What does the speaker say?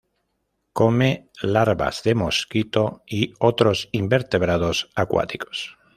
Come larvas de mosquito y otros invertebrados acuáticos.